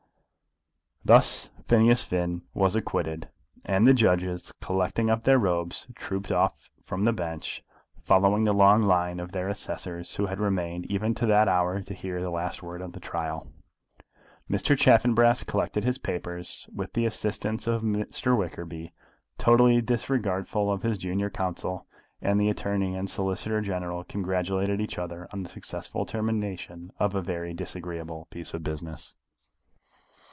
Thus Phineas Finn was acquitted, and the judges, collecting up their robes, trooped off from the bench, following the long line of their assessors who had remained even to that hour to hear the last word of the trial. Mr. Chaffanbrass collected his papers, with the assistance of Mr. Wickerby, totally disregardful of his junior counsel, and the Attorney and Solicitor General congratulated each other on the successful termination of a very disagreeable piece of business.